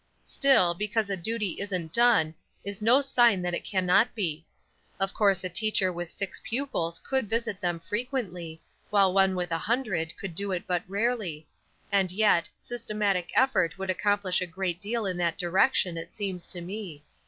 "Still, because a duty isn't done is no sign that it cannot be. Of course a teacher with six pupils could visit them frequently, while one with a hundred could do it but rarely; and yet, systematic effort would accomplish a great deal in that direction, it seems to me.